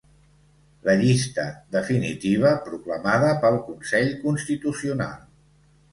La llista definitiva proclamada pel Consell Constitucional.